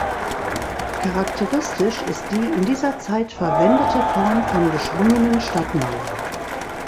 Charakteristisch ist die in dieser Zeit verwendete Form von geschwungenen Stadtmauern.